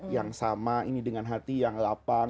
yang sama ini dengan hati yang lapan